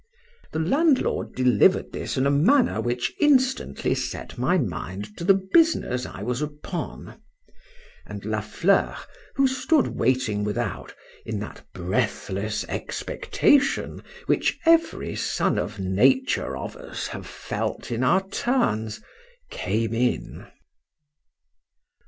The landlord deliver'd this in a manner which instantly set my mind to the business I was upon;—and La Fleur, who stood waiting without, in that breathless expectation which every son of nature of us have felt in our turns, came in.